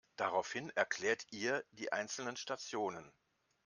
Daraufhin erklärt ihr die einzelnen Stationen.